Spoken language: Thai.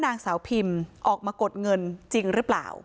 นางสาวพิมออกมากดเงินจริงหรือเปล่า